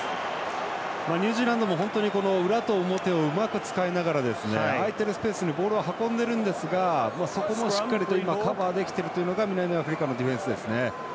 ニュージーランドも本当に裏と表をうまく使いながら空いてるスペースにボールを運んでいるんですがそこもしっかりとカバーできているというのが南アフリカのディフェンスですね。